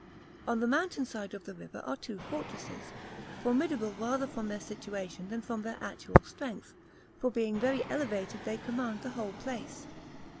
On the mountain side of the river are two fortresses, formidable rather from their situation than from their actual strength, for being very elevated they command the whole place.